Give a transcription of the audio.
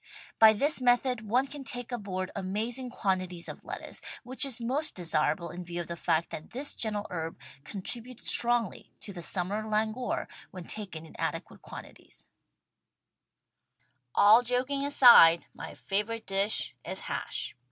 By this method one can take aboard amazing quantities of lettuce, which is most desirable in view of the fact that this gentle herb contributes strongly to the summel languor when taken in adequate quantities. WRITTEN FOR MEN BY MEN LXII i?. L, (Rube) Goldberg HASH All joking aside, my favorite dish is hash.